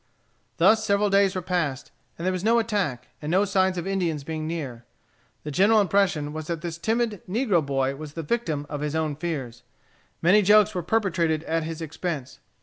Thus several days were passed, and there was no attack, and no signs of Indians being near. The general impression was that the timid negro boy was the victim of his own fears. Many jokes were perpetrated at his expense.